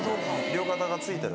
両肩がついたら。